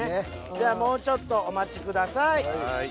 じゃあもうちょっとお待ちください。